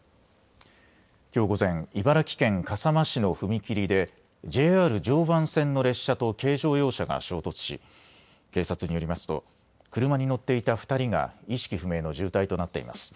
きょう午前、茨城県笠間市の踏切でＪＲ常磐線の列車と軽乗用車が衝突し警察によりますと車に乗っていた２人が意識不明の重体となっています。